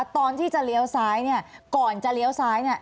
ตอนที่จะเลี้ยวซ้ายเนี่ยก่อนจะเลี้ยวซ้ายเนี่ย